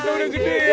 lima pulang keluarga